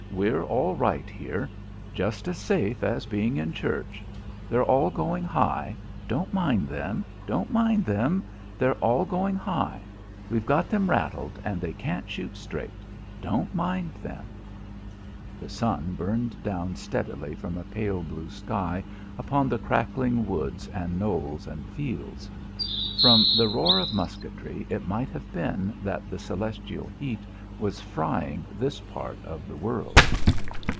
We're all right here. Just as safe as being in church.... They're all going high. Don't mind them.... Don't mind them.... They're all going high. We've got them rattled and they can't shoot straight. Don't mind them." The sun burned down steadily from a pale blue sky upon the crackling woods and knolls and fields. From the roar of musketry it might have been that the celestial heat was frying this part of the world.